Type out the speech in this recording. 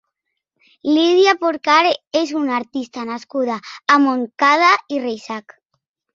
Lídia Porcar és una artista nascuda a Montcada i Reixac.